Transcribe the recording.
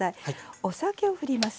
お酒をふります。